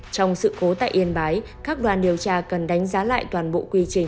trong sự cố tại yên bái các đoàn điều tra cần đánh giá lại toàn bộ quy trình